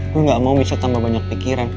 gue gak mau bisa tambah banyak pikiran